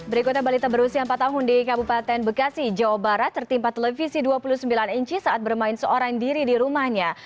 berikutnya balita berusia empat tahun di kabupaten bekasi jawa barat tertimpa televisi dua puluh sembilan inci saat bermain seorang diri di rumahnya